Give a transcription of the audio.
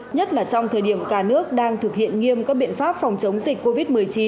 nhất là trong thời điểm cả nước đang thực hiện nghiêm các biện pháp phòng chống dịch covid một mươi chín